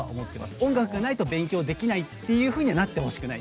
音楽がないと勉強できないっていうふうにはなってほしくない。